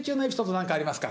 何かありますか？